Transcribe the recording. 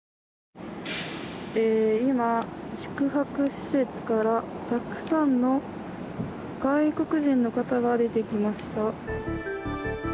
今、宿泊施設からたくさんの外国人の方が出てきました。